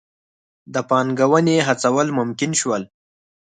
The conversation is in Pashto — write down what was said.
د پانګونې هڅول ممکن شول.